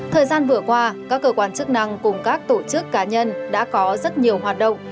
thời gian vừa qua các cơ quan chức năng cùng các tổ chức cá nhân đã có rất nhiều hoạt động